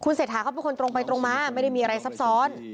เศรษฐาเขาเป็นคนตรงไปตรงมาไม่ได้มีอะไรซับซ้อน